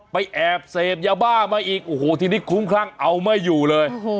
แอบเสพยาบ้ามาอีกโอ้โหทีนี้คลุ้มคลั่งเอาไม่อยู่เลย